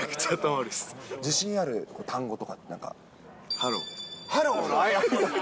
自信ある単語とかなんか。